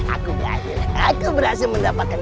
aku berhasil mendapatkan ini